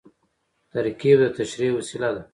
ترکیب د تشریح وسیله ده.